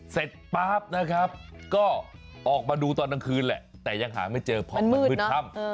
ป๊าบนะครับก็ออกมาดูตอนกลางคืนแหละแต่ยังหาไม่เจอเพราะมันมืดค่ำ